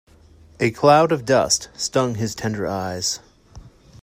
A cloud of dust stung his tender eyes.